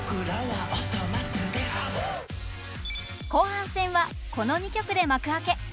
後半戦はこの２曲で幕開け。